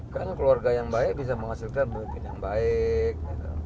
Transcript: karena keluarga yang baik bisa menghasilkan mungkin yang baik